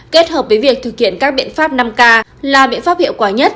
kết hợp với việc thực hiện các biện pháp năm k là biện pháp hiệu quả nhất